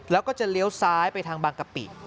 แล้วก็จะเลี้ยวซ้ายไปทางบางกะปิ